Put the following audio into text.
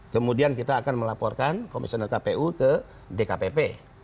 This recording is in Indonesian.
kemudian kita akan melaporkan komisioner kpu ke dkpp